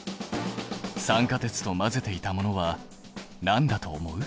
酸化鉄と混ぜていたものはなんだと思う？